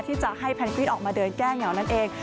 ที่จะให้แพนกรี้ออกมาเดินแก้เหงานั่นเอง